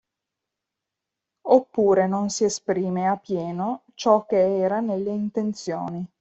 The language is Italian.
Oppure non si esprime a pieno ciò che era nelle intenzioni.